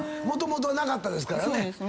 もともとなかったですからね。